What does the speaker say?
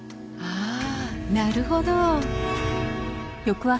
ああなるほど。